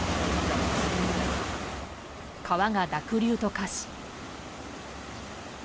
川が濁流と化し。